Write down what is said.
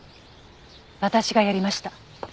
私がやりました。